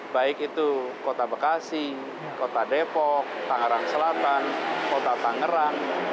baik itu kota bekasi kota depok tangerang selatan kota tangerang